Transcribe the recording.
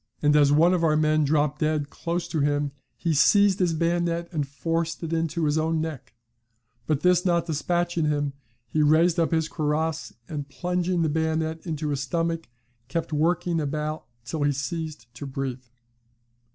and as one of our men dropped dead close to him, he seized his bayonet, and forced it into his own neck; but this not despatching him, he raised up his cuirass, and plunging the bayonet into his stomach, kept working it about till he ceased to breathe.